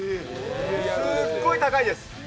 すっごい高いです。